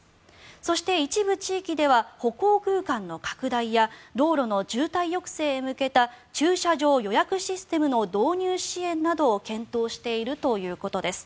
そして、一部地域では歩行空間の拡大や道路の渋滞抑制へ向けた駐車場予約システムの導入支援などを検討しているということです。